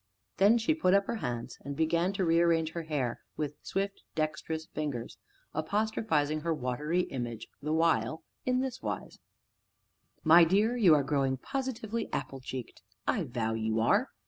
Then she put up her hands and began to rearrange her hair with swift, dexterous fingers, apostrophizing her watery image the while, in this wise: "My dear, you are growing positively apple cheeked I vow you are!